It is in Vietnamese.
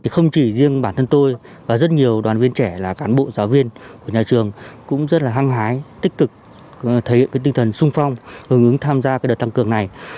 không chỉ riêng bản thân tôi và rất nhiều đoàn viên trẻ là cán bộ giáo viên của nhà trường cũng rất là hăng hái tích cực thể hiện tinh thần sung phong hướng ứng tham gia đợt tăng cường này